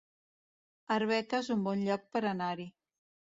Arbeca es un bon lloc per anar-hi